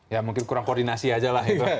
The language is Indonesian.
ya mungkin kurang koordinasi aja lah itu